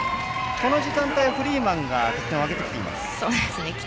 この時間帯、フリーマンが得点を挙げてきています。